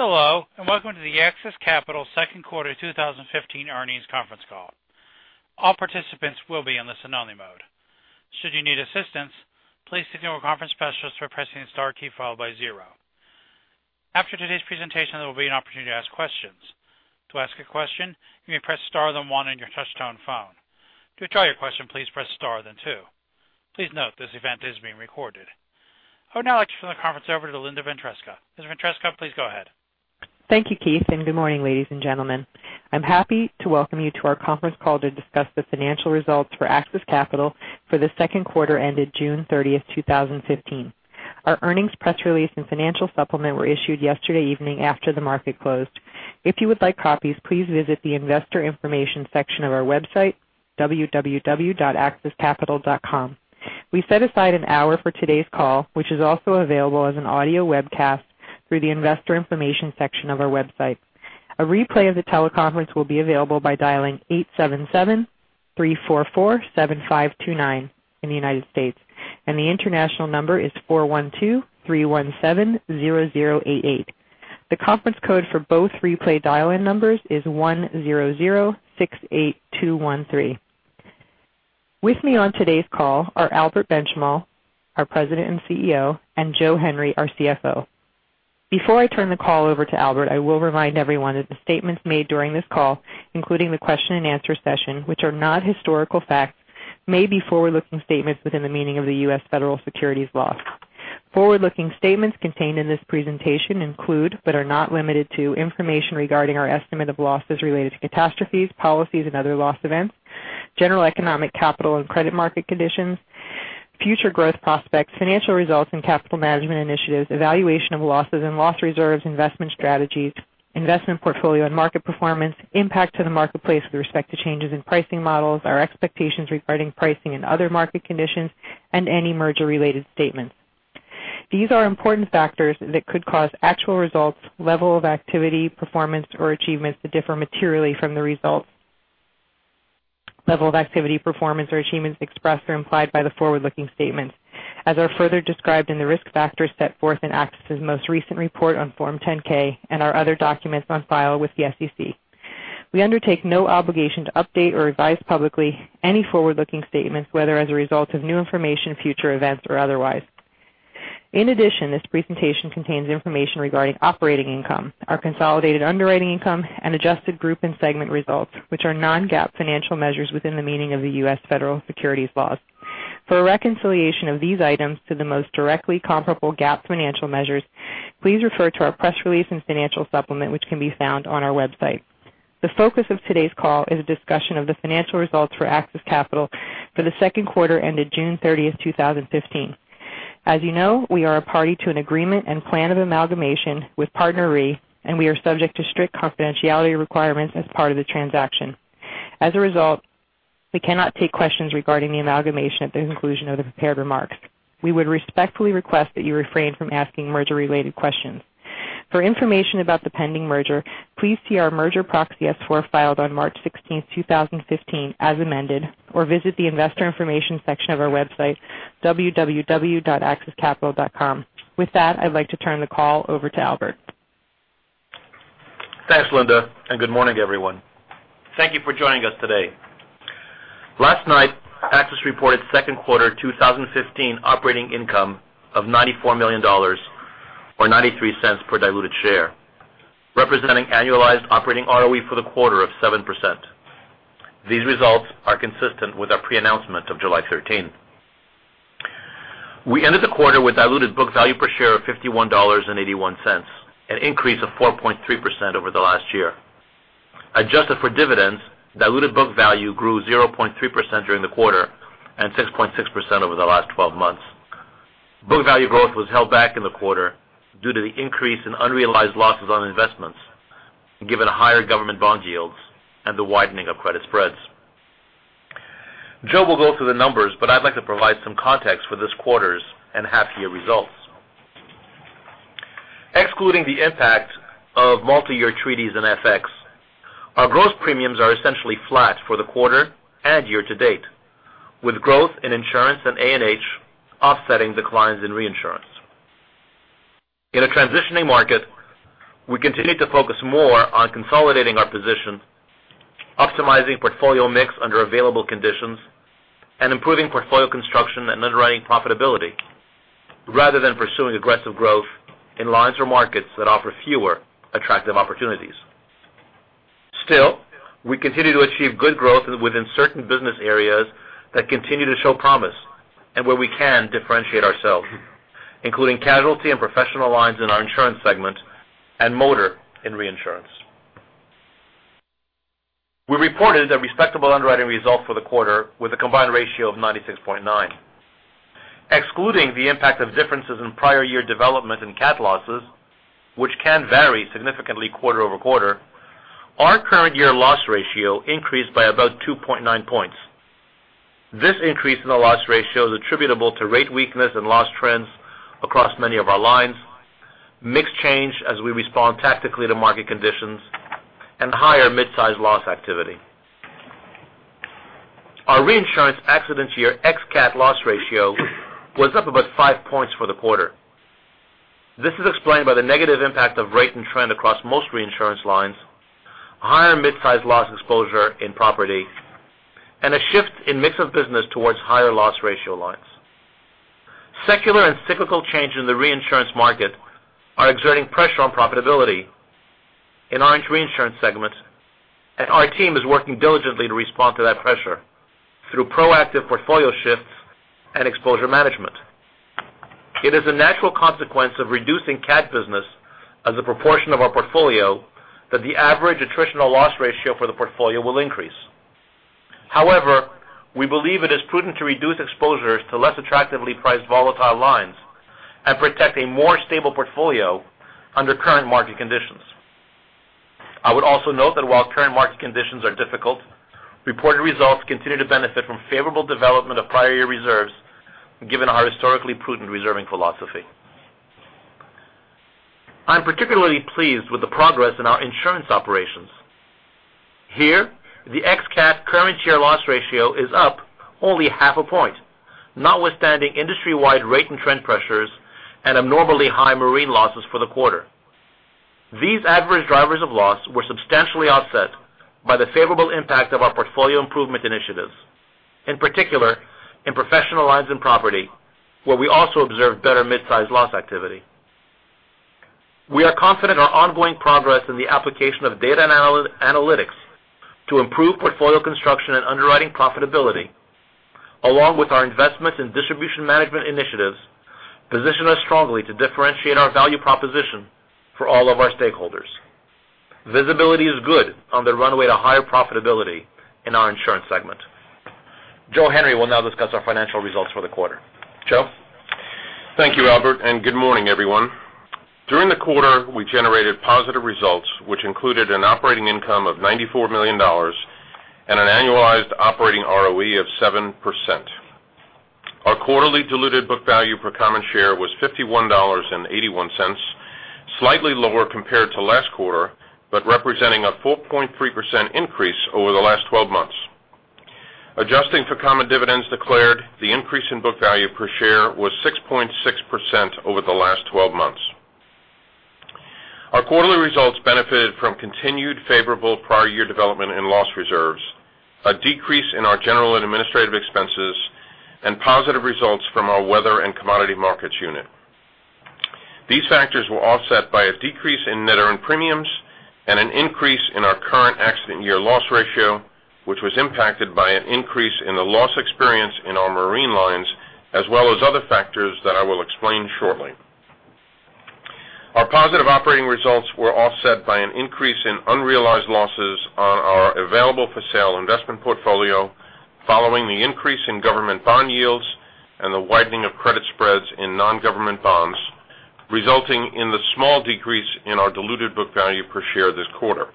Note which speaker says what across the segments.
Speaker 1: Hello, welcome to the AXIS Capital second quarter 2015 earnings conference call. All participants will be in listen-only mode. Should you need assistance, please signal a conference specialist by pressing star key followed by zero. After today's presentation, there will be an opportunity to ask questions. To ask a question, you may press star then one on your touch-tone phone. To withdraw your question, please press star, then two. Please note this event is being recorded. I would now like to turn the conference over to Linda Ventresca. Ms. Ventresca, please go ahead.
Speaker 2: Thank you, Keith, good morning, ladies and gentlemen. I'm happy to welcome you to our conference call to discuss the financial results for AXIS Capital for the second quarter ended June 30th, 2015. Our earnings press release and financial supplement were issued yesterday evening after the market closed. If you would like copies, please visit the investor information section of our website, www.axiscapital.com. We set aside an hour for today's call, which is also available as an audio webcast through the investor information section of our website. A replay of the teleconference will be available by dialing 877-344-7529 in the U.S., the international number is 412-317-0088. The conference code for both replay dial-in numbers is 10068213. With me on today's call are Albert Benchimol, our President and CEO, and Joe Henry, our CFO. Before I turn the call over to Albert, I will remind everyone that the statements made during this call, including the question and answer session, which are not historical facts, may be forward-looking statements within the meaning of the U.S. Federal Securities laws. Forward-looking statements contained in this presentation include, but are not limited to, information regarding our estimate of losses related to catastrophes, policies, and other loss events, general economic capital and credit market conditions, future growth prospects, financial results and capital management initiatives, evaluation of losses and loss reserves, investment strategies, investment portfolio and market performance, impact to the marketplace with respect to changes in pricing models, our expectations regarding pricing and other market conditions, and any merger-related statements. These are important factors that could cause actual results, level of activity, performance, or achievements to differ materially from the results, level of activity, performance, or achievements expressed or implied by the forward-looking statements, as are further described in the risk factors set forth in AXIS' most recent report on Form 10-K and our other documents on file with the SEC. We undertake no obligation to update or revise publicly any forward-looking statements, whether as a result of new information, future events, or otherwise. In addition, this presentation contains information regarding operating income, our consolidated underwriting income, and adjusted group and segment results, which are non-GAAP financial measures within the meaning of the U.S. Federal Securities laws. For a reconciliation of these items to the most directly comparable GAAP financial measures, please refer to our press release and financial supplement, which can be found on our website. The focus of today's call is a discussion of the financial results for AXIS Capital for the second quarter ended June 30th, 2015. As you know, we are a party to an agreement and plan of amalgamation with PartnerRe, and we are subject to strict confidentiality requirements as part of the transaction. As a result, we cannot take questions regarding the amalgamation at the conclusion of the prepared remarks. We would respectfully request that you refrain from asking merger-related questions. For information about the pending merger, please see our merger proxy S-4 filed on March 16th, 2015, as amended, or visit the investor information section of our website, www.axiscapital.com. With that, I'd like to turn the call over to Albert.
Speaker 3: Thanks, Linda, and good morning, everyone. Thank you for joining us today. Last night, AXIS reported second quarter 2015 operating income of $94 million, or $0.93 per diluted share, representing annualized operating ROE for the quarter of 7%. These results are consistent with our pre-announcement of July 13th. We ended the quarter with diluted book value per share of $51.81, an increase of 4.3% over the last year. Adjusted for dividends, diluted book value grew 0.3% during the quarter and 6.6% over the last 12 months. Book value growth was held back in the quarter due to the increase in unrealized losses on investments, given higher government bond yields and the widening of credit spreads. Joe will go through the numbers, but I'd like to provide some context for this quarter's and half-year results. Excluding the impact of multi-year treaties and FX, our gross premiums are essentially flat for the quarter and year-to-date, with growth in insurance and A&H offsetting declines in reinsurance. In a transitioning market, we continue to focus more on consolidating our position, optimizing portfolio mix under available conditions, and improving portfolio construction and underwriting profitability, rather than pursuing aggressive growth in lines or markets that offer fewer attractive opportunities. Still, we continue to achieve good growth within certain business areas that continue to show promise and where we can differentiate ourselves, including casualty and professional lines in our insurance segment and motor in reinsurance. We reported a respectable underwriting result for the quarter with a combined ratio of 96.9. Excluding the impact of differences in prior year development and CAT losses, which can vary significantly quarter-over-quarter, our current year loss ratio increased by about 2.9 points. This increase in the loss ratio is attributable to rate weakness and loss trends across many of our lines, mix change as we respond tactically to market conditions, and higher mid-size loss activity. Our reinsurance accidents year ex-CAT loss ratio was up about five points for the quarter. This is explained by the negative impact of rate and trend across most reinsurance lines, higher mid-sized loss exposure in property, and a shift in mix of business towards higher loss ratio lines. Secular and cyclical change in the reinsurance market are exerting pressure on profitability in our reinsurance segment, and our team is working diligently to respond to that pressure through proactive portfolio shifts and exposure management. It is a natural consequence of reducing CAT business as a proportion of our portfolio that the average attritional loss ratio for the portfolio will increase. However, we believe it is prudent to reduce exposures to less attractively priced volatile lines and protect a more stable portfolio under current market conditions. I would also note that while current market conditions are difficult, reported results continue to benefit from favorable development of prior year reserves, given our historically prudent reserving philosophy. I'm particularly pleased with the progress in our insurance operations. Here, the ex-CAT current year loss ratio is up only half a point, notwithstanding industry-wide rate and trend pressures and abnormally high marine losses for the quarter. These adverse drivers of loss were substantially offset by the favorable impact of our portfolio improvement initiatives, in particular, in professional lines and property, where we also observed better mid-sized loss activity. We are confident our ongoing progress in the application of data analytics to improve portfolio construction and underwriting profitability, along with our investments in distribution management initiatives, position us strongly to differentiate our value proposition for all of our stakeholders. Visibility is good on the runway to higher profitability in our insurance segment. Joseph Henry will now discuss our financial results for the quarter. Joe?
Speaker 4: Thank you, Albert, and good morning, everyone. During the quarter, we generated positive results, which included an operating income of $94 million and an annualized operating ROE of 7%. Our quarterly diluted book value per common share was $51.81, slightly lower compared to last quarter, but representing a 4.3% increase over the last 12 months. Adjusting for common dividends declared, the increase in book value per share was 6.6% over the last 12 months. Our quarterly results benefited from continued favorable prior year development in loss reserves, a decrease in our general and administrative expenses, and positive results from our weather and commodity markets unit. These factors were offset by a decrease in net earned premiums and an increase in our current accident year loss ratio, which was impacted by an increase in the loss experience in our marine lines, as well as other factors that I will explain shortly. Our positive operating results were offset by an increase in unrealized losses on our available-for-sale investment portfolio following the increase in government bond yields and the widening of credit spreads in non-government bonds, resulting in the small decrease in our diluted book value per share this quarter.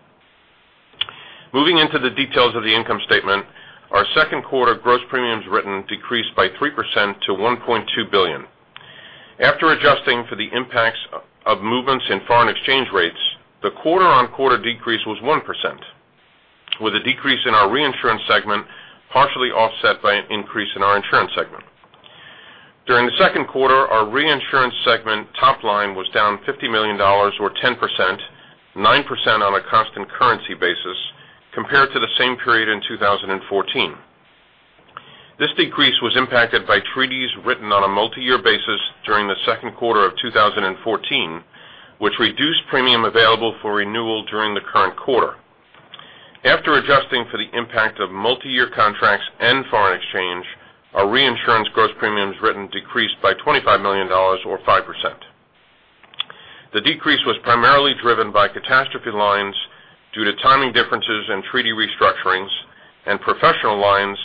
Speaker 4: Moving into the details of the income statement, our second quarter gross premiums written decreased by 3% to $1.2 billion. After adjusting for the impacts of movements in foreign exchange rates, the quarter-on-quarter decrease was 1%, with a decrease in our reinsurance segment partially offset by an increase in our insurance segment. During the second quarter, our reinsurance segment top line was down $50 million or 10%, 9% on a constant currency basis compared to the same period in 2014. This decrease was impacted by treaties written on a multi-year basis during the second quarter of 2014, which reduced premium available for renewal during the current quarter. After adjusting for the impact of multi-year contracts and foreign exchange, our reinsurance gross premiums written decreased by $25 million or 5%. The decrease was primarily driven by catastrophe lines due to timing differences in treaty restructurings and professional lines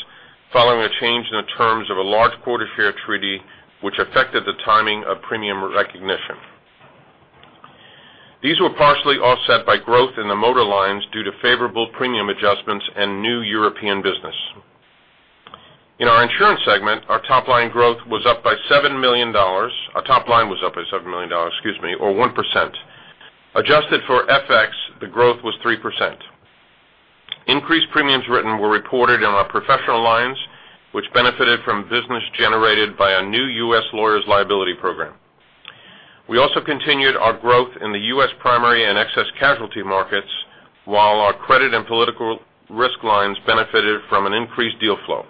Speaker 4: following a change in the terms of a large quota share treaty, which affected the timing of premium recognition. These were partially offset by growth in the motor lines due to favorable premium adjustments and new European business. In our insurance segment, our top line was up by $7 million or 1%. Adjusted for FX, the growth was 3%. Increased premiums written were reported in our professional lines, which benefited from business generated by a new U.S. lawyers' liability program. We also continued our growth in the U.S. primary and excess casualty markets, while our credit and political risk lines benefited from an increased deal flow.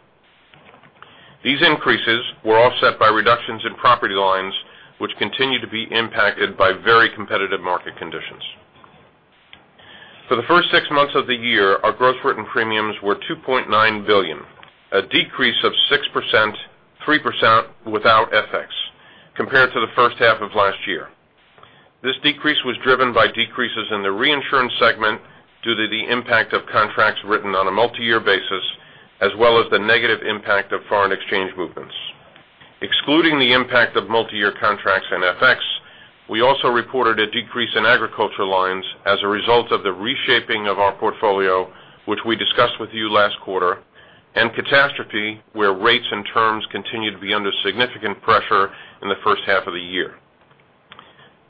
Speaker 4: These increases were offset by reductions in property lines, which continue to be impacted by very competitive market conditions. For the first six months of the year, our gross written premiums were $2.9 billion, a decrease of 6%, 3% without FX, compared to the first half of last year. This decrease was driven by decreases in the reinsurance segment due to the impact of contracts written on a multi-year basis, as well as the negative impact of foreign exchange movements. Excluding the impact of multi-year contracts and FX, we also reported a decrease in agriculture lines as a result of the reshaping of our portfolio, which we discussed with you last quarter, and catastrophe, where rates and terms continued to be under significant pressure in the first half of the year.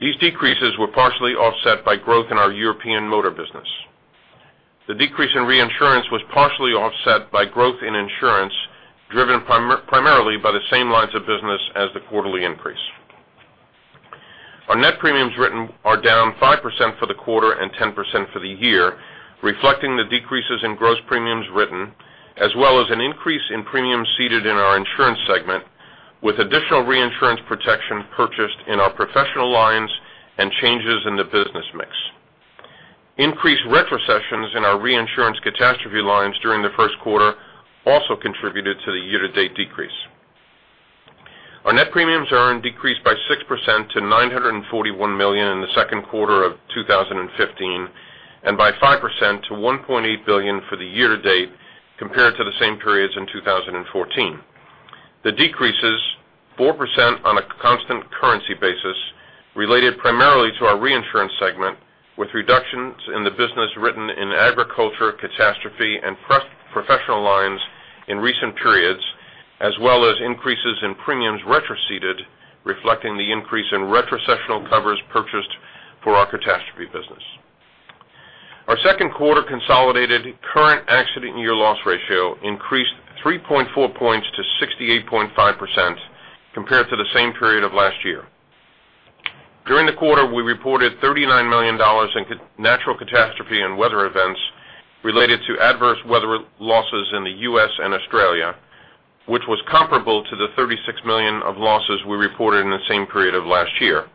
Speaker 4: These decreases were partially offset by growth in our European motor business. The decrease in reinsurance was partially offset by growth in insurance, driven primarily by the same lines of business as the quarterly increase. Our net premiums written are down 5% for the quarter and 10% for the year, reflecting the decreases in gross premiums written, as well as an increase in premiums ceded in our insurance segment, with additional reinsurance protection purchased in our professional lines and changes in the business mix. Increased retrocessions in our reinsurance catastrophe lines during the first quarter also contributed to the year-to-date decrease. Our net premiums earned decreased by 6% to $941 million in the second quarter of 2015, and by 5% to $1.8 billion for the year-to-date, compared to the same periods in 2014. The decrease is 4% on a constant currency basis, related primarily to our reinsurance segment, with reductions in the business written in agriculture, catastrophe, and professional lines in recent periods, as well as increases in premiums retroceded, reflecting the increase in retrocessional covers purchased for our catastrophe business. Our second quarter consolidated current accident year loss ratio increased 3.4 points to 68.5% compared to the same period of last year. During the quarter, we reported $39 million in natural catastrophe and weather events related to adverse weather losses in the U.S. and Australia, which was comparable to the $36 million of losses we reported in the same period of last year.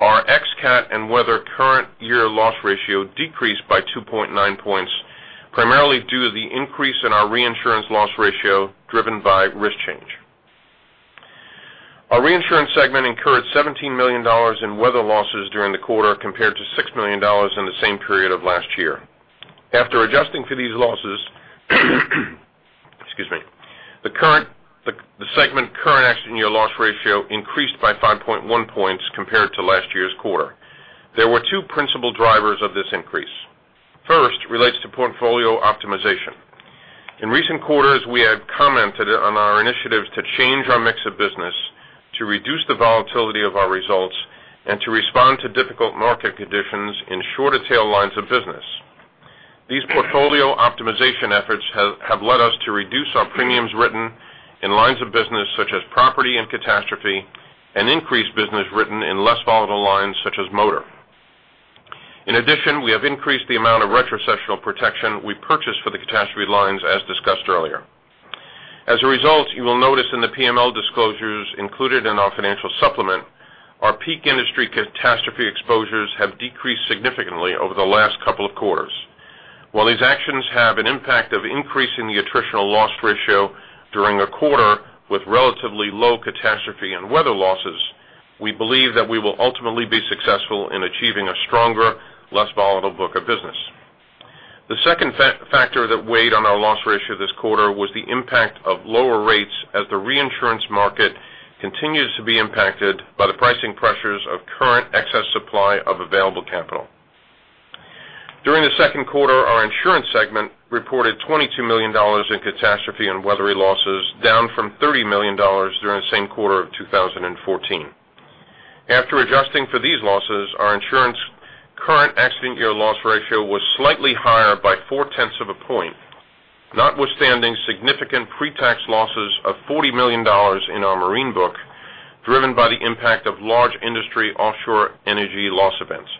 Speaker 4: Our ex-CAT and weather current year loss ratio decreased by 2.9 points, primarily due to the increase in our reinsurance loss ratio driven by risk change. Our reinsurance segment incurred $17 million in weather losses during the quarter, compared to $6 million in the same period of last year. After adjusting for these losses, the segment current accident year loss ratio increased by 5.1 points compared to last year's quarter. There were two principal drivers of this increase. First relates to portfolio optimization. In recent quarters, we have commented on our initiatives to change our mix of business, to reduce the volatility of our results, and to respond to difficult market conditions in shorter tail lines of business. These portfolio optimization efforts have led us to reduce our premiums written in lines of business such as property and catastrophe, and increase business written in less volatile lines such as motor. In addition, we have increased the amount of retrocessional protection we purchased for the catastrophe lines, as discussed earlier. As a result, you will notice in the PML disclosures included in our financial supplement, our peak industry catastrophe exposures have decreased significantly over the last couple of quarters. While these actions have an impact of increasing the attritional loss ratio during a quarter with relatively low catastrophe and weather losses, we believe that we will ultimately be successful in achieving a stronger, less volatile book of business. The second factor that weighed on our loss ratio this quarter was the impact of lower rates as the reinsurance market continues to be impacted by the pricing pressures of current excess supply of available capital. During the second quarter, our insurance segment reported $22 million in catastrophe and weather-related losses, down from $30 million during the same quarter of 2014. After adjusting for these losses, our insurance current accident year loss ratio was slightly higher by four tenths of a point, notwithstanding significant pre-tax losses of $40 million in our marine book, driven by the impact of large industry offshore energy loss events.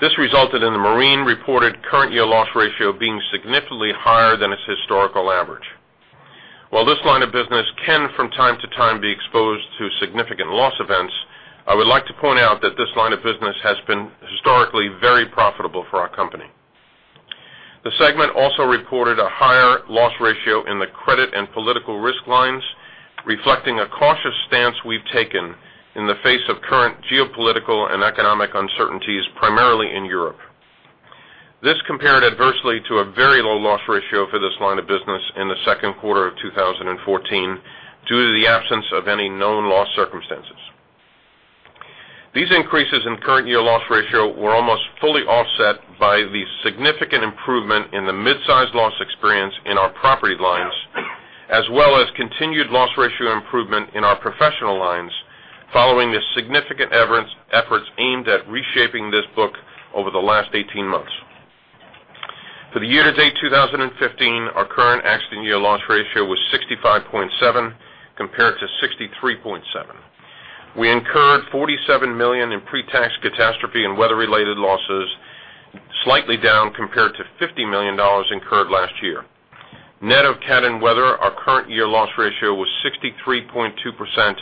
Speaker 4: This resulted in the marine reported current year loss ratio being significantly higher than its historical average. While this line of business can from time to time be exposed to significant loss events, I would like to point out that this line of business has been historically very profitable for our company. The segment also reported a higher loss ratio in the credit and political risk lines, reflecting a cautious stance we've taken in the face of current geopolitical and economic uncertainties, primarily in Europe. This compared adversely to a very low loss ratio for this line of business in the second quarter of 2014 due to the absence of any known loss circumstances. These increases in current year loss ratio were almost fully offset by the significant improvement in the mid-size loss experience in our property lines, as well as continued loss ratio improvement in our professional lines following the significant efforts aimed at reshaping this book over the last 18 months. For the year-to-date 2015, our current accident year loss ratio was 65.7 compared to 63.7. We incurred $47 million in pre-tax catastrophe and weather-related losses, slightly down compared to $50 million incurred last year. Net of CAT and weather, our current year loss ratio was 63.2%,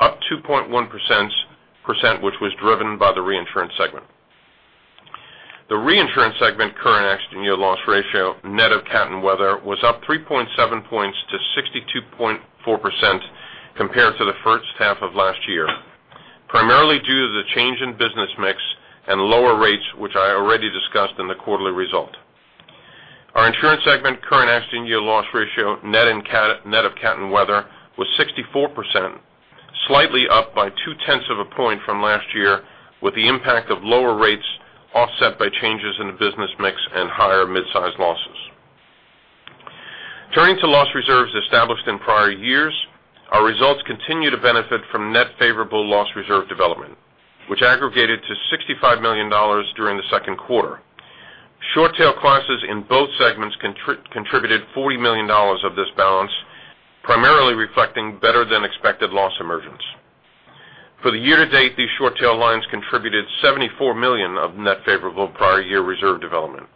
Speaker 4: up 2.1% which was driven by the reinsurance segment. The reinsurance segment current accident year loss ratio, net of CAT and weather, was up 3.7 points to 62.4% compared to the first half of last year, primarily due to the change in business mix and lower rates, which I already discussed in the quarterly result. Our insurance segment current accident year loss ratio, net of CAT and weather, was 64%, slightly up by two tenths of a point from last year, with the impact of lower rates offset by changes in the business mix and higher mid-size losses. Turning to loss reserves established in prior years, our results continue to benefit from net favorable loss reserve development, which aggregated to $65 million during the second quarter. Short-tail classes in both segments contributed $40 million of this balance, primarily reflecting better than expected loss emergence. For the year to date, these short tail lines contributed $74 million of net favorable prior year reserve development.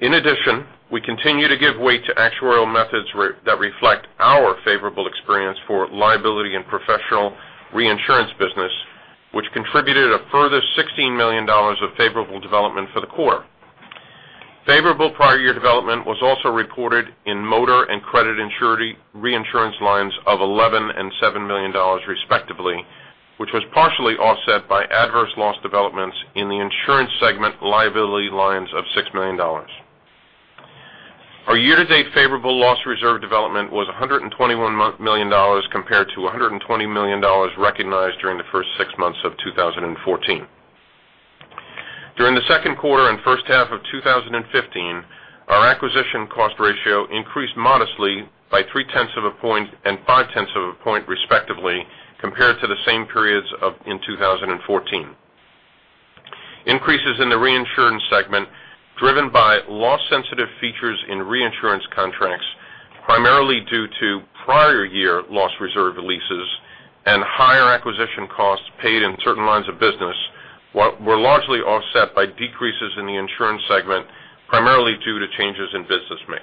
Speaker 4: In addition, we continue to give weight to actuarial methods that reflect our favorable experience for liability and professional reinsurance business, which contributed a further $16 million of favorable development for the quarter. Favorable prior year development was also reported in motor and credit reinsurance lines of $11 and $7 million respectively, which was partially offset by adverse loss developments in the insurance segment liability lines of $6 million. Our year-to-date favorable loss reserve development was $121 million compared to $120 million recognized during the first six months of 2014. During the second quarter and first half of 2015, our acquisition cost ratio increased modestly by three-tenths of a point and five-tenths of a point respectively, compared to the same periods in 2014. Increases in the reinsurance segment driven by loss sensitive features in reinsurance contracts, primarily due to prior year loss reserve releases and higher acquisition costs paid in certain lines of business, were largely offset by decreases in the insurance segment, primarily due to changes in business mix.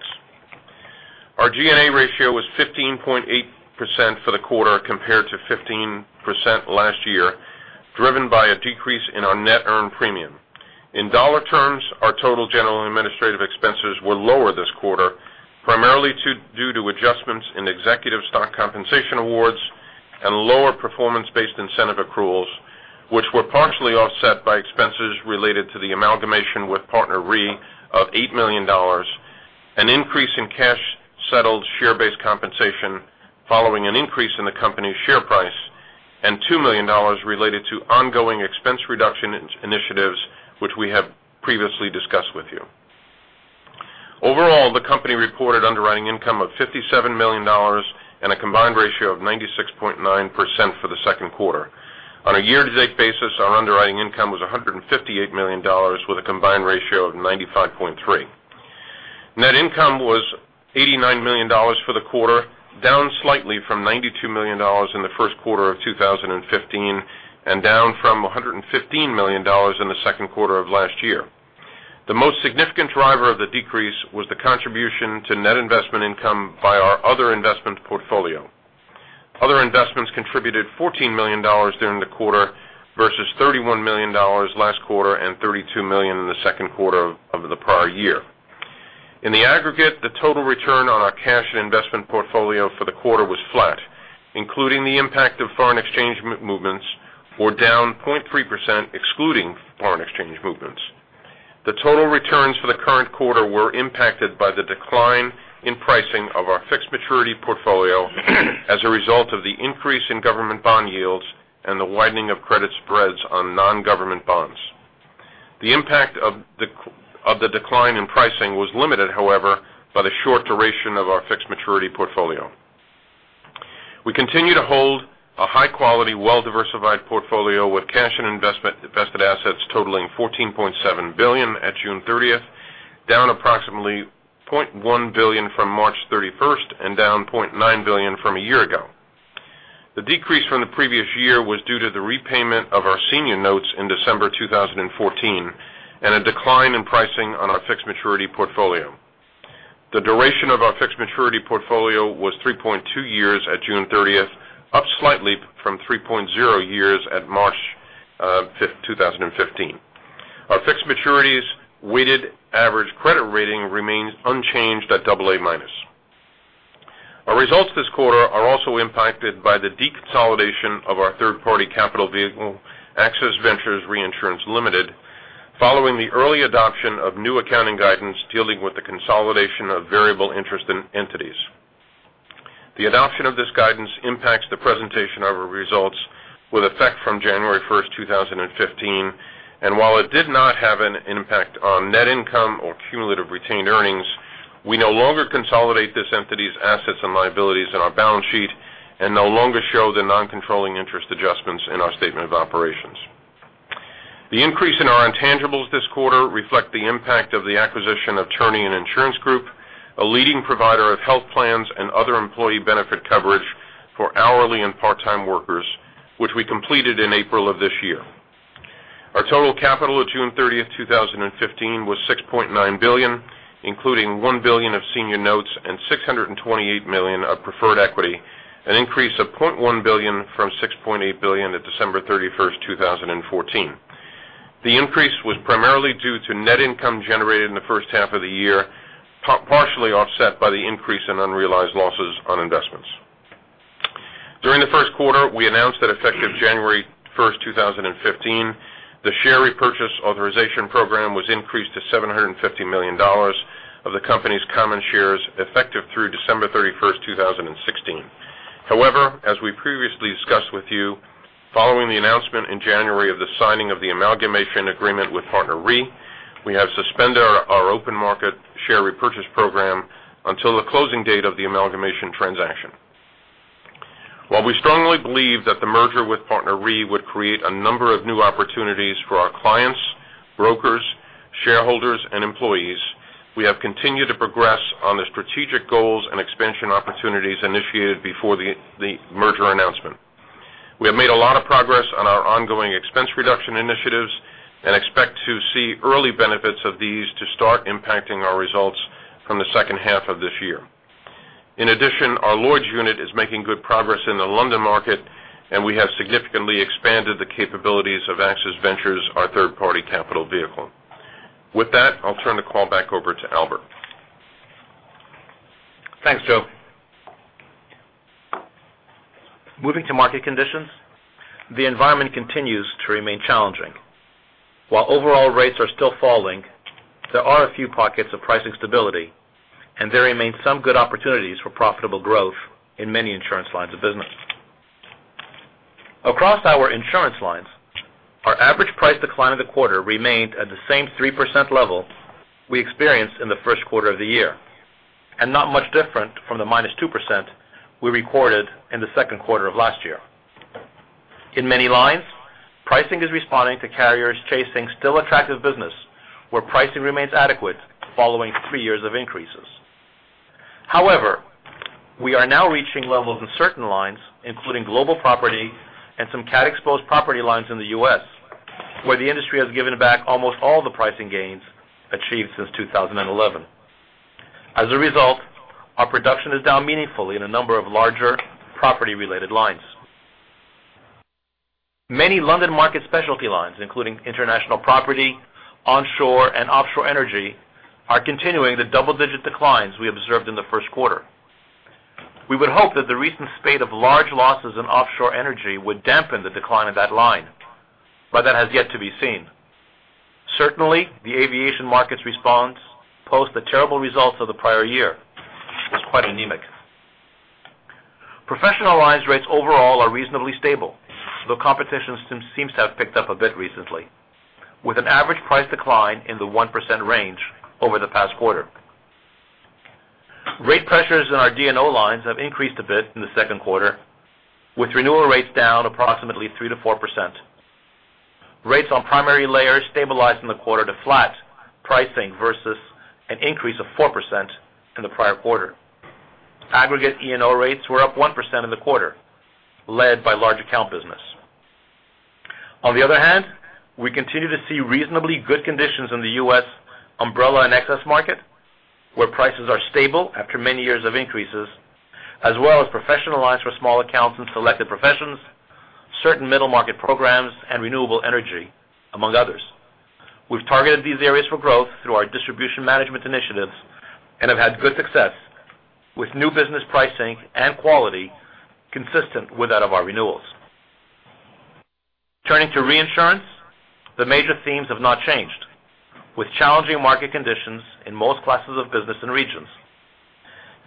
Speaker 4: Our G&A ratio was 15.8% for the quarter compared to 15% last year, driven by a decrease in our net earned premium. In dollar terms, our total general and administrative expenses were lower this quarter, primarily due to adjustments in executive stock compensation awards and lower performance-based incentive accruals, which were partially offset by expenses related to the amalgamation with PartnerRe of $8 million, an increase in cash settled share-based compensation following an increase in the company's share price, and $2 million related to ongoing expense reduction initiatives, which we have previously discussed with you. Overall, the company reported underwriting income of $57 million and a combined ratio of 96.9% for the second quarter. On a year-to-date basis, our underwriting income was $158 million with a combined ratio of 95.3%. Net income was $89 million for the quarter, down slightly from $92 million in the first quarter of 2015, and down from $115 million in the second quarter of last year. The most significant driver of the decrease was the contribution to net investment income by our other investment portfolio. Other investments contributed $14 million during the quarter versus $31 million last quarter and $32 million in the second quarter of the prior year. In the aggregate, the total return on our cash and investment portfolio for the quarter was flat, including the impact of foreign exchange movements were down 0.3% excluding foreign exchange movements. The total returns for the current quarter were impacted by the decline in pricing of our fixed maturity portfolio as a result of the increase in government bond yields and the widening of credit spreads on non-government bonds. The impact of the decline in pricing was limited, however, by the short duration of our fixed maturity portfolio. We continue to hold a high quality, well diversified portfolio with cash and invested assets totaling $14.7 billion at June 30th, down approximately $0.1 billion from March 31st and down $0.9 billion from a year ago. The decrease from the previous year was due to the repayment of our senior notes in December 2014, and a decline in pricing on our fixed maturity portfolio. The duration of our fixed maturity portfolio was 3.2 years at June 30th, up slightly from 3.0 years at March 5th, 2015. Our fixed maturities weighted average credit rating remains unchanged at AA-. Our results this quarter are also impacted by the deconsolidation of our third party capital vehicle, AXIS Ventures Reinsurance Limited, following the early adoption of new accounting guidance dealing with the consolidation of variable interest in entities. The adoption of this guidance impacts the presentation of our results with effect from January 1st, 2015, and while it did not have an impact on net income or cumulative retained earnings, we no longer consolidate this entity's assets and liabilities in our balance sheet and no longer show the non-controlling interest adjustments in our statement of operations. The increase in our intangibles this quarter reflect the impact of the acquisition of Trean Insurance Group, a leading provider of health plans and other employee benefit coverage for hourly and part-time workers, which we completed in April of this year. Our total capital at June 30th, 2015 was $6.9 billion, including $1 billion of senior notes and $628 million of preferred equity, an increase of $0.1 billion from $6.8 billion at December 31st, 2014. The increase was primarily due to net income generated in the first half of the year, partially offset by the increase in unrealized losses on investments. During the first quarter, we announced that effective January 1st, 2015, the share repurchase authorization program was increased to $750 million of the company's common shares effective through December 31st, 2016. However, as we previously discussed with you, following the announcement in January of the signing of the amalgamation agreement with PartnerRe, we have suspended our open market share repurchase program until the closing date of the amalgamation transaction. While we strongly believe that the merger with PartnerRe would create a number of new opportunities for our clients, brokers, shareholders, and employees, we have continued to progress on the strategic goals and expansion opportunities initiated before the merger announcement. We have made a lot of progress on our ongoing expense reduction initiatives and expect to see early benefits of these to start impacting our results from the second half of this year. In addition, our Lloyd's unit is making good progress in the London market, and we have significantly expanded the capabilities of AXIS Ventures, our third-party capital vehicle. With that, I'll turn the call back over to Albert.
Speaker 3: Thanks, Joe. Moving to market conditions, the environment continues to remain challenging. While overall rates are still falling, there are a few pockets of pricing stability, and there remain some good opportunities for profitable growth in many insurance lines of business. Across our insurance lines, our average price decline in the quarter remained at the same 3% level we experienced in the first quarter of the year, and not much different from the -2% we recorded in the second quarter of last year. In many lines, pricing is responding to carriers chasing still attractive business where pricing remains adequate following three years of increases. However, we are now reaching levels in certain lines, including global property and some CAT-exposed property lines in the U.S., where the industry has given back almost all the pricing gains achieved since 2011. As a result, our production is down meaningfully in a number of larger property-related lines. Many London market specialty lines, including international property, onshore and offshore energy, are continuing the double-digit declines we observed in the first quarter. We would hope that the recent spate of large losses in offshore energy would dampen the decline of that line, but that has yet to be seen. Certainly, the aviation market's response post the terrible results of the prior year was quite anemic. Professional lines rates overall are reasonably stable, though competition seems to have picked up a bit recently, with an average price decline in the 1% range over the past quarter. Rate pressures in our D&O lines have increased a bit in the second quarter, with renewal rates down approximately 3%-4%. Rates on primary layers stabilized in the quarter to flat pricing versus an increase of 4% in the prior quarter. Aggregate E&O rates were up 1% in the quarter, led by large account business. On the other hand, we continue to see reasonably good conditions in the U.S. umbrella and excess market, where prices are stable after many years of increases, as well as professional lines for small accounts and selected professions, certain middle-market programs, and renewable energy, among others. We've targeted these areas for growth through our distribution management initiatives and have had good success with new business pricing and quality consistent with that of our renewals. Turning to reinsurance, the major themes have not changed, with challenging market conditions in most classes of business and regions.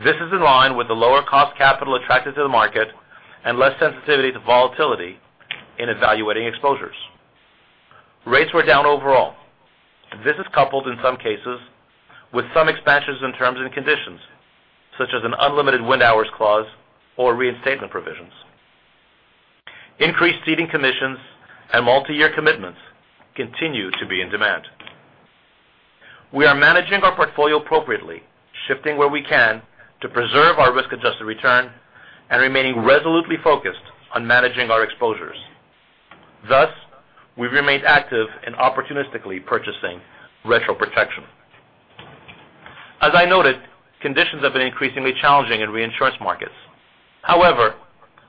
Speaker 3: This is in line with the lower cost capital attracted to the market and less sensitivity to volatility in evaluating exposures.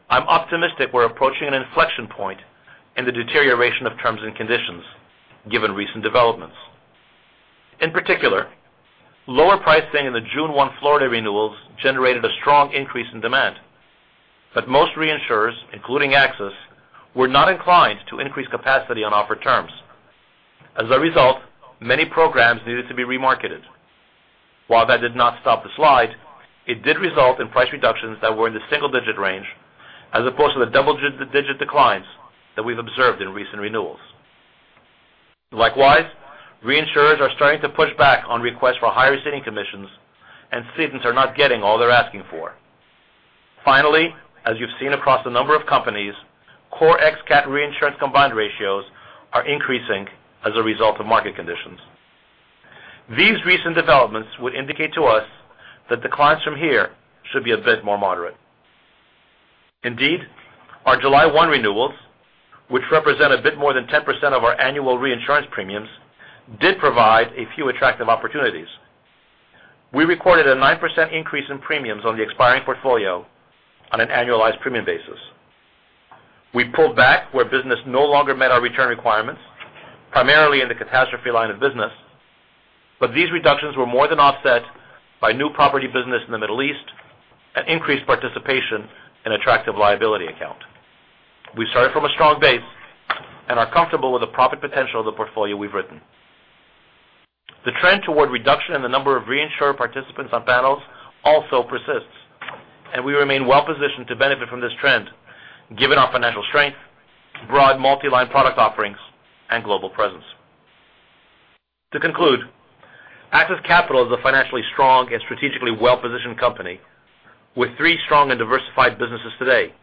Speaker 3: I'm optimistic we're approaching an inflection point in the deterioration of terms and conditions given recent developments. reinsurers are starting to push back on requests for higher ceding commissions, and cedents are not getting all they're asking for. Finally, as you've seen across a number of companies, core ex-CAT reinsurance combined ratios are increasing as a result of market conditions. These recent developments would indicate to us that declines from here should be a bit more moderate. Indeed, our July 1 renewals, which represent a bit more than 10% of our annual reinsurance premiums, did provide a few attractive opportunities. We recorded a 9% increase in premiums on the expiring portfolio on an annualized premium basis. We pulled back where business no longer met our return requirements, primarily in the catastrophe line of business. These reductions were more than offset by new property business in the Middle East and increased participation in attractive liability account. We started from a strong base and are comfortable with the profit potential of the portfolio we've written. The trend toward reduction in the number of reinsurer participants on panels also persists, and we remain well-positioned to benefit from this trend given our financial strength, broad multi-line product offerings, and global presence. To conclude, AXIS Capital is a financially strong and strategically well-positioned company with three strong and diversified businesses today,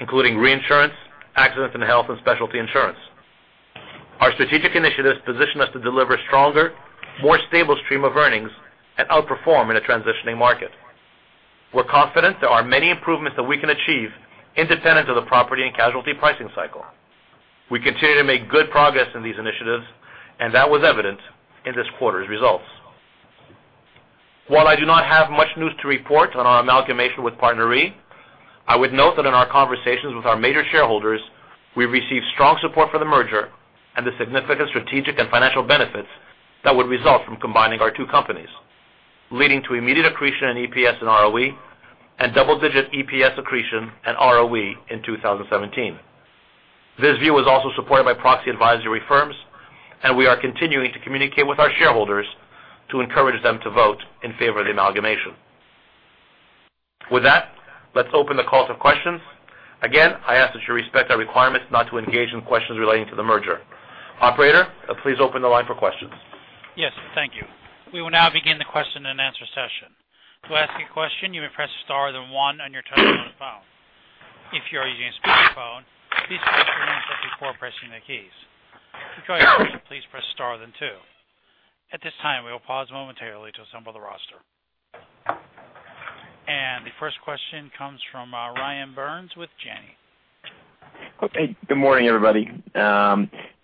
Speaker 3: including reinsurance, accident and health and specialty insurance. Our strategic initiatives position us to deliver a stronger, more stable stream of earnings and outperform in a transitioning market. We're confident there are many improvements that we can achieve independent of the property and casualty pricing cycle. We continue to make good progress in these initiatives, and that was evident in this quarter's results. I do not have much news to report on our amalgamation with PartnerRe, I would note that in our conversations with our major shareholders, we received strong support for the merger and the significant strategic and financial benefits that would result from combining our two companies, leading to immediate accretion in EPS and ROE, and double-digit EPS accretion and ROE in 2017. This view is also supported by proxy advisory firms, and we are continuing to communicate with our shareholders to encourage them to vote in favor of the amalgamation. Let's open the call to questions. Again, I ask that you respect our requirements not to engage in questions relating to the merger. Operator, please open the line for questions.
Speaker 1: Yes. Thank you. We will now begin the question and answer session. To ask a question, you may press star then one on your touchtone phone. If you are using a speakerphone, please press mute before pressing the keys. To withdraw your question, please press star then two. At this time, we will pause momentarily to assemble the roster. The first question comes from Ryan Byrns with Janney.
Speaker 5: Okay. Good morning, everybody.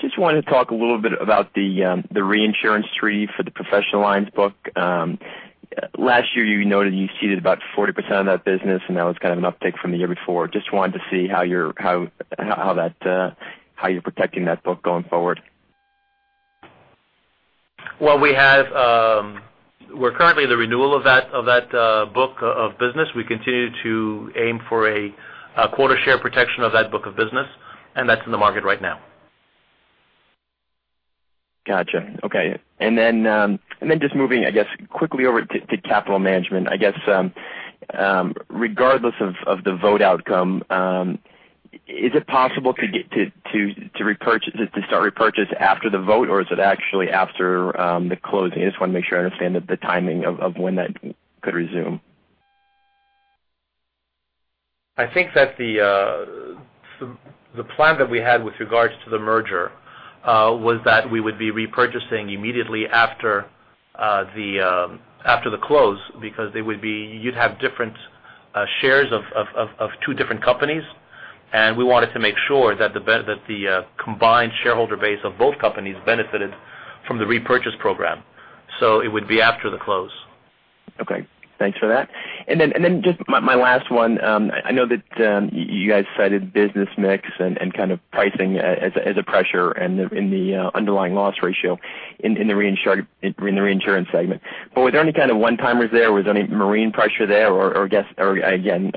Speaker 5: Just wanted to talk a little bit about the reinsurance treaty for the Professional Lines book. Last year, you noted you ceded about 40% of that business, that was kind of an uptick from the year before. Just wanted to see how you're protecting that book going forward.
Speaker 3: We're currently the renewal of that book of business. We continue to aim for a quota share protection of that book of business, that's in the market right now.
Speaker 5: Got you. Okay. Just moving, I guess, quickly over to capital management. I guess, regardless of the vote outcome, is it possible to start repurchase after the vote, or is it actually after the closing? I just want to make sure I understand the timing of when that could resume.
Speaker 3: I think that the plan that we had with regards to the merger was that we would be repurchasing immediately after the close because you'd have different shares of two different companies, and we wanted to make sure that the combined shareholder base of both companies benefited from the repurchase program. It would be after the close.
Speaker 5: Okay. Thanks for that. Just my last one. I know that you guys cited business mix and kind of pricing as a pressure in the underlying loss ratio in the reinsurance segment. Were there any kind of one-timers there? Was there any marine pressure there? Again,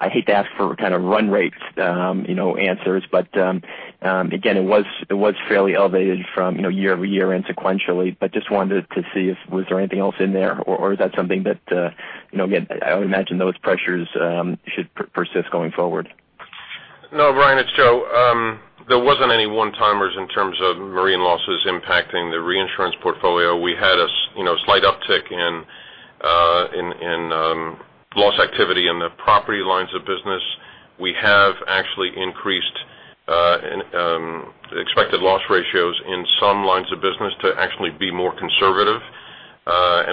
Speaker 5: I hate to ask for kind of run rate answers, but again, it was fairly elevated from year-over-year and sequentially. Just wanted to see if there was anything else in there, or is that something that, again, I would imagine those pressures should persist going forward.
Speaker 4: No, Ryan, it's Joe. There wasn't any one-timers in terms of marine losses impacting the reinsurance portfolio. We had a slight uptick in loss activity in the property lines of business. We have actually increased expected loss ratios in some lines of business to actually be more conservative.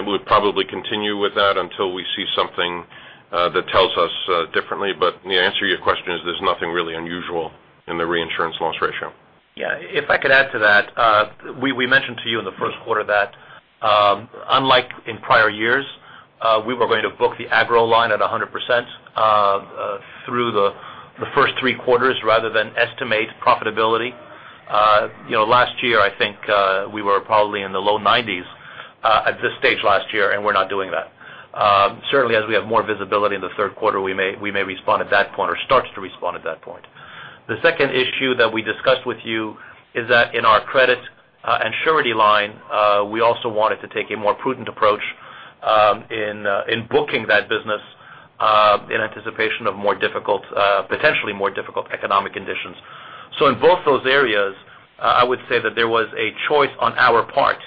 Speaker 4: We'll probably continue with that until we see something that tells us differently. The answer to your question is there's nothing really unusual in the reinsurance loss ratio.
Speaker 3: Yeah. If I could add to that. We mentioned to you in the first quarter that unlike in prior years, we were going to book the agro line at 100% through the first three quarters rather than estimate profitability. Last year, I think we were probably in the low 90s at this stage last year, and we're not doing that. Certainly, as we have more visibility in the third quarter, we may respond at that point or start to respond at that point. The second issue that we discussed with you is that in our credit and surety line, we also wanted to take a more prudent approach in booking that business in anticipation of potentially more difficult economic conditions. In both those areas, I would say that there was a choice on our part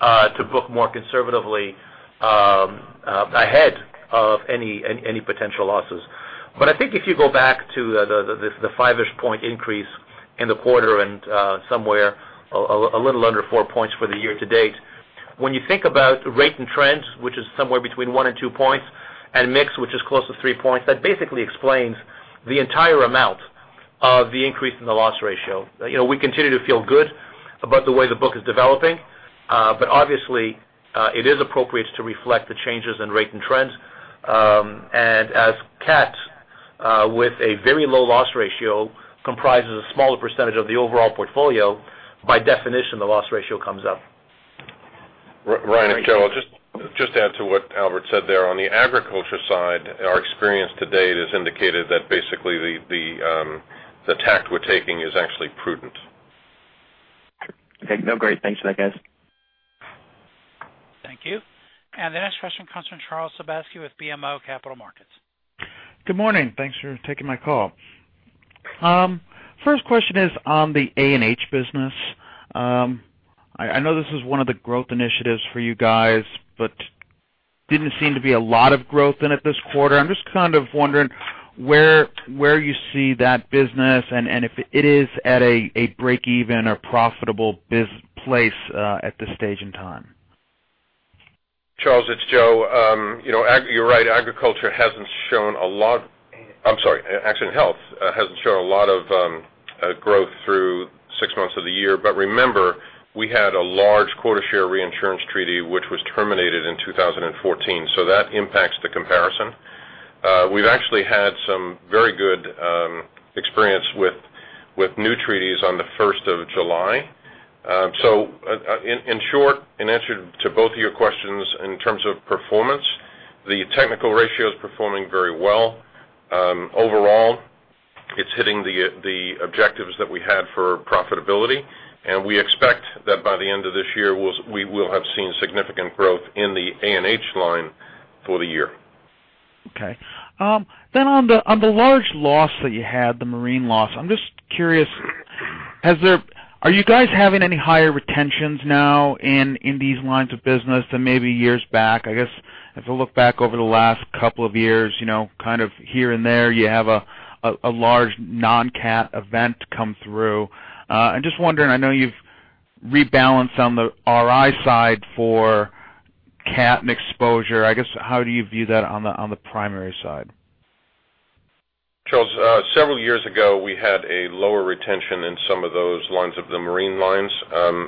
Speaker 3: to book more conservatively ahead of any potential losses. I think if you go back to the 5-ish point increase in the quarter and somewhere a little under four points for the year to date, when you think about rate and trends, which is somewhere between one and two points, and mix, which is close to three points, that basically explains the entire amount of the increase in the loss ratio. We continue to feel good about the way the book is developing, but obviously it is appropriate to reflect the changes in rate and trends. As CAT, with a very low loss ratio, comprises a smaller percentage of the overall portfolio, by definition, the loss ratio comes up.
Speaker 4: Ryan, it's Joe. Just to add to what Albert said there. On the agriculture side, our experience to date has indicated that basically the tact we're taking is actually prudent.
Speaker 5: Okay. No, great. Thanks for that, guys.
Speaker 1: Thank you. The next question comes from Charles Sebaski with BMO Capital Markets.
Speaker 6: Good morning. Thanks for taking my call. First question is on the A&H business. I know this is one of the growth initiatives for you guys, but didn't seem to be a lot of growth in it this quarter. I'm just kind of wondering where you see that business and if it is at a break-even or profitable place at this stage in time.
Speaker 4: Charles, it's Joe. You're right, accident health hasn't shown a lot of growth through six months of the year. Remember, we had a large quota share reinsurance treaty, which was terminated in 2014, so that impacts the comparison. We've actually had some very good experience with new treaties on the 1st of July. In short, in answer to both of your questions in terms of performance, the technical ratio is performing very well. Overall, it's hitting the objectives that we had for profitability, and we expect that by the end of this year, we will have seen significant growth in the A&H line for the year.
Speaker 6: Okay. On the large loss that you had, the marine loss, I'm just curious, are you guys having any higher retentions now in these lines of business than maybe years back? I guess if I look back over the last couple of years, kind of here and there, you have a large non-CAT event come through. I'm just wondering, I know you've rebalanced on the RI side for CAT and exposure. I guess, how do you view that on the primary side?
Speaker 4: Charles, several years ago, we had a lower retention in some of those lines of the marine lines.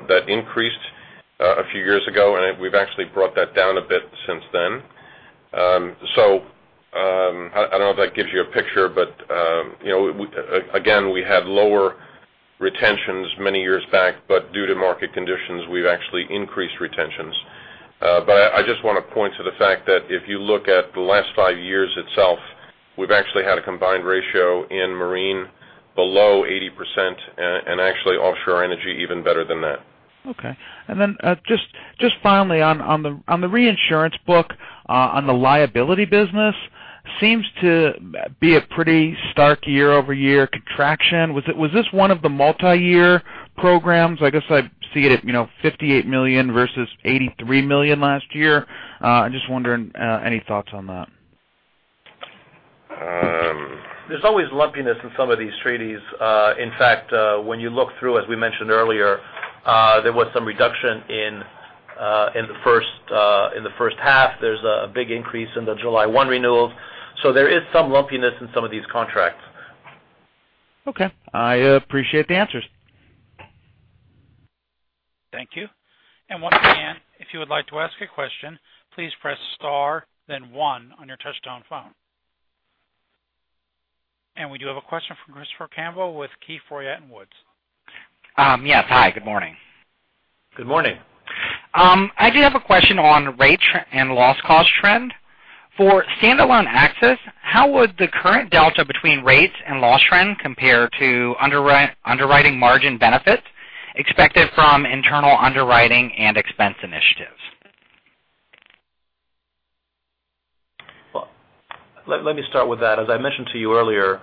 Speaker 4: That increased a few years ago, and we've actually brought that down a bit since then. I don't know if that gives you a picture, but again, we had lower retentions many years back, but due to market conditions, we've actually increased retentions. I just want to point to the fact that if you look at the last five years itself, we've actually had a combined ratio in marine below 80% and actually offshore energy even better than that.
Speaker 6: Okay. Then just finally on the reinsurance book on the liability business seems to be a pretty stark year-over-year contraction. Was this one of the multi-year programs? I guess I see it at $58 million versus $83 million last year. I'm just wondering, any thoughts on that?
Speaker 3: There's always lumpiness in some of these treaties. In fact, when you look through, as we mentioned earlier, there was some reduction in the first half. There's a big increase in the July 1 renewals. There is some lumpiness in some of these contracts.
Speaker 6: Okay. I appreciate the answers.
Speaker 1: Thank you. Once again, if you would like to ask a question, please press star then one on your touchtone phone. We do have a question from Christopher Campbell with Keefe, Bruyette & Woods.
Speaker 7: Yes. Hi, good morning.
Speaker 3: Good morning.
Speaker 7: I do have a question on rate and loss cost trend. For standalone AXIS, how would the current delta between rates and loss trend compare to underwriting margin benefits expected from internal underwriting and expense initiatives?
Speaker 3: Well, let me start with that. As I mentioned to you earlier,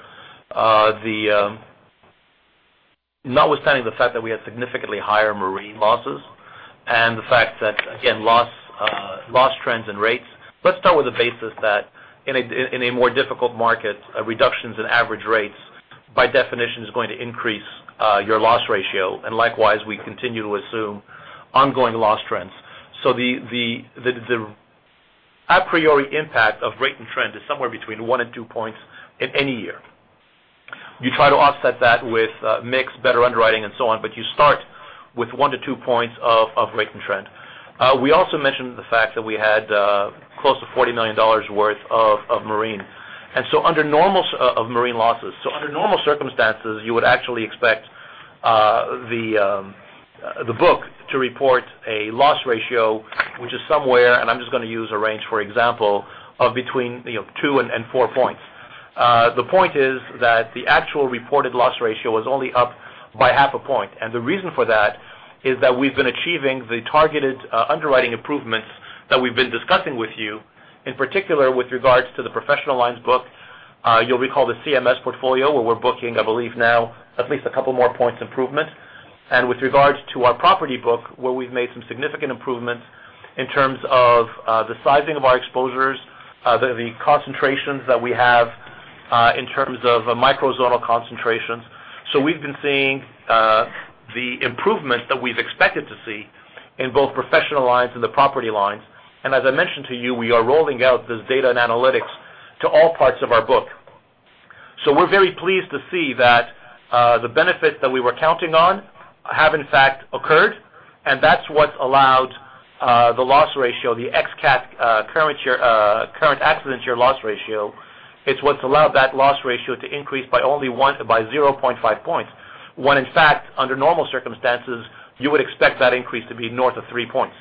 Speaker 3: notwithstanding the fact that we had significantly higher marine losses and the fact that, again, loss trends and rates, let's start with the basis that in a more difficult market, reductions in average rates, by definition, is going to increase your loss ratio. Likewise, we continue to assume ongoing loss trends. The a priori impact of rate and trend is somewhere between one and two points in any year. You try to offset that with mix, better underwriting, and so on, but you start with one to two points of rate and trend. We also mentioned the fact that we had close to $40 million worth of marine losses. Under normal circumstances, you would actually expect the book to report a loss ratio, which is somewhere, and I'm just going to use a range, for example, of between two and four points. The point is that the actual reported loss ratio was only up by half a point. The reason for that is that we've been achieving the targeted underwriting improvements that we've been discussing with you, in particular with regards to the professional lines book. You'll recall the CMS portfolio where we're booking, I believe now, at least a couple more points improvement. With regards to our property book, where we've made some significant improvements in terms of the sizing of our exposures, the concentrations that we have in terms of micro zonal concentrations. We've been seeing the improvements that we've expected to see in both professional lines and the property lines. As I mentioned to you, we are rolling out this data and analytics to all parts of our book. We're very pleased to see that the benefits that we were counting on have in fact occurred, and that's what allowed the loss ratio, the ex-CAT current accident year loss ratio. It's what's allowed that loss ratio to increase by only 0.5 points, when in fact, under normal circumstances, you would expect that increase to be north of three points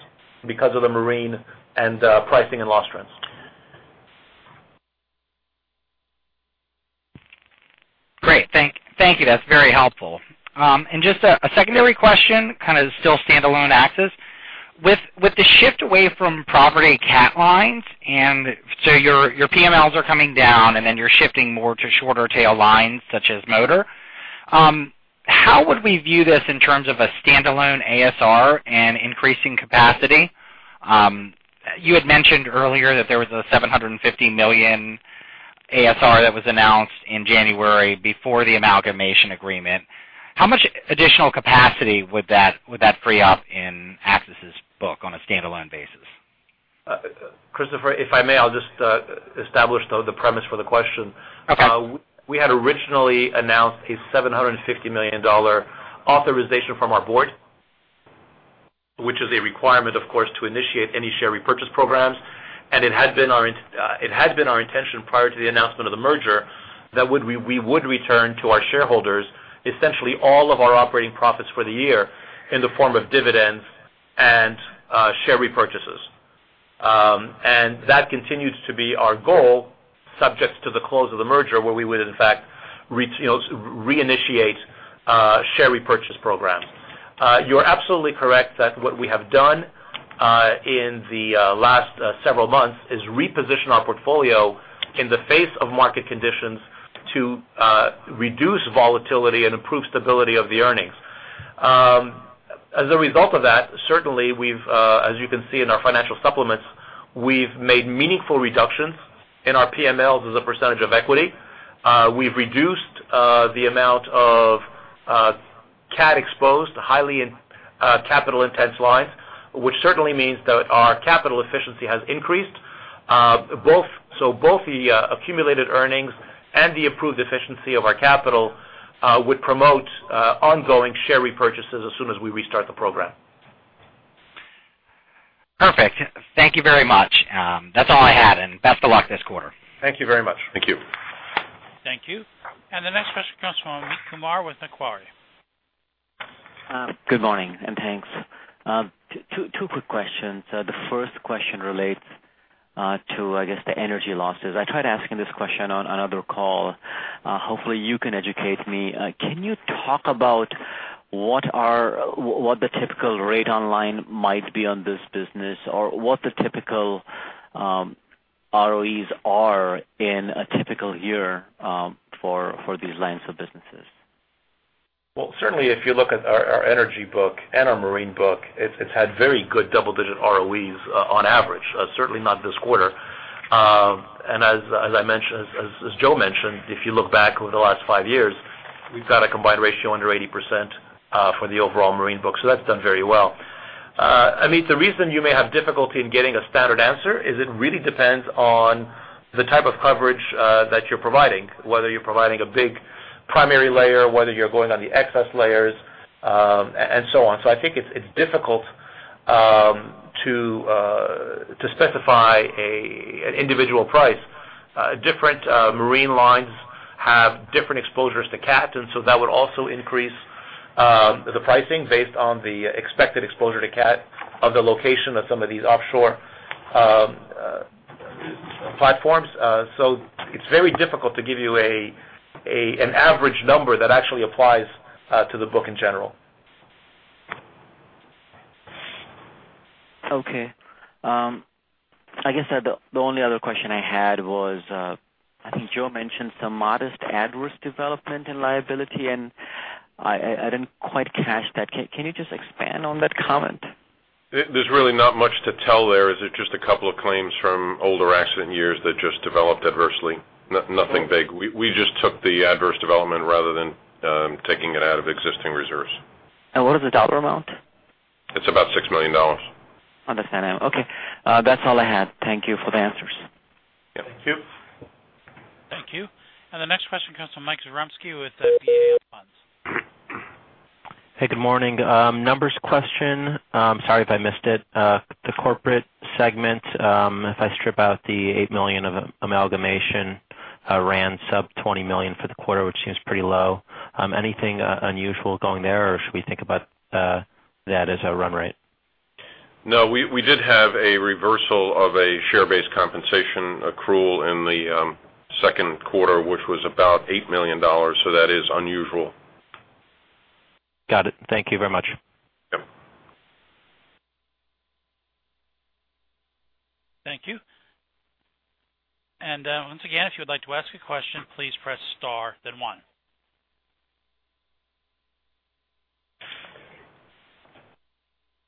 Speaker 3: because of the marine and pricing and loss trends.
Speaker 7: Great. Thank you. That's very helpful. Just a secondary question, kind of still standalone AXIS. With the shift away from property CAT lines, your PMLs are coming down, and then you're shifting more to shorter tail lines such as motor. How would we view this in terms of a standalone ASR and increasing capacity? You had mentioned earlier that there was a $750 million ASR that was announced in January before the amalgamation agreement. How much additional capacity would that free up in AXIS's book on a standalone basis?
Speaker 3: Christopher, if I may, I'll just establish the premise for the question.
Speaker 7: Okay.
Speaker 3: We had originally announced a $750 million authorization from our board, which is a requirement, of course, to initiate any share repurchase programs. It had been our intention prior to the announcement of the merger that we would return to our shareholders essentially all of our operating profits for the year in the form of dividends and share repurchases. That continues to be our goal, subject to the close of the merger, where we would in fact reinitiate share repurchase program. You're absolutely correct that what we have done in the last several months is reposition our portfolio in the face of market conditions to reduce volatility and improve stability of the earnings. As a result of that, certainly as you can see in our financial supplements, we've made meaningful reductions in our PMLs as a percentage of equity. We've reduced the amount of CAT exposed, highly capital intense lines, which certainly means that our capital efficiency has increased. Both the accumulated earnings and the improved efficiency of our capital would promote ongoing share repurchases as soon as we restart the program.
Speaker 7: Perfect. Thank you very much. That's all I had, and best of luck this quarter.
Speaker 3: Thank you very much.
Speaker 4: Thank you.
Speaker 1: Thank you. The next question comes from Amit Kumar with Macquarie.
Speaker 8: Good morning, thanks. Two quick questions. The first question relates to, I guess, the energy losses. I tried asking this question on another call. Hopefully, you can educate me. Can you talk about what the typical rate on line might be on this business, or what the typical ROEs are in a typical year for these lines of businesses?
Speaker 3: Well, certainly, if you look at our energy book and our marine book, it's had very good double-digit ROEs on average. Certainly not this quarter. As Joe mentioned, if you look back over the last five years, we've got a combined ratio under 80% for the overall marine book. That's done very well. Amit, the reason you may have difficulty in getting a standard answer is it really depends on the type of coverage that you're providing, whether you're providing a big primary layer, whether you're going on the excess layers, and so on. I think it's difficult to specify an individual price. Different marine lines have different exposures to CAT, and so that would also increase the pricing based on the expected exposure to CAT of the location of some of these offshore platforms. It's very difficult to give you an average number that actually applies to the book in general.
Speaker 8: Okay. I guess the only other question I had was, I think Joe mentioned some modest adverse development in liability, and I didn't quite catch that. Can you just expand on that comment?
Speaker 4: There's really not much to tell there. It's just a couple of claims from older accident years that just developed adversely. Nothing big. We just took the adverse development rather than taking it out of existing reserves.
Speaker 8: What is the dollar amount?
Speaker 4: It's about $6 million.
Speaker 8: Understand. Okay. That's all I had. Thank you for the answers.
Speaker 3: Yeah. Thank you.
Speaker 1: Thank you. The next question comes from Mike Zaremski with Balyasny Asset Management.
Speaker 9: Hey, good morning. Numbers question. Sorry if I missed it. The corporate segment, if I strip out the $8 million of amalgamation ran sub $20 million for the quarter, which seems pretty low. Anything unusual going there, or should we think about that as a run rate?
Speaker 4: No, we did have a reversal of a share-based compensation accrual in the second quarter, which was about $8 million. That is unusual.
Speaker 9: Got it. Thank you very much.
Speaker 4: Yep.
Speaker 1: Thank you. Once again, if you would like to ask a question, please press star then one.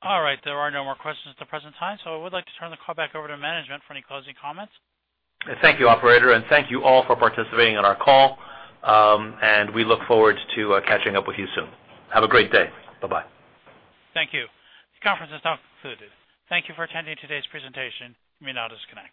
Speaker 1: All right, there are no more questions at the present time, so I would like to turn the call back over to management for any closing comments.
Speaker 3: Thank you, operator, and thank you all for participating on our call. We look forward to catching up with you soon. Have a great day. Bye-bye.
Speaker 1: Thank you. The conference is now concluded. Thank you for attending today's presentation. You may now disconnect.